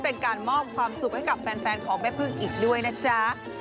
เป็นการมอบความสุขให้กับแฟนของแม่พึ่งอีกด้วยนะจ๊ะ